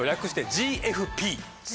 ＧＦＰ。